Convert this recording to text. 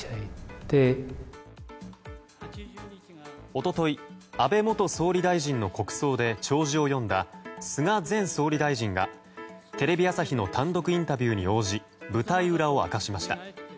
一昨日、安倍元総理大臣の国葬で弔辞を読んだ菅前総理大臣がテレビ朝日の単独インタビューに応じ舞台裏を明かしました。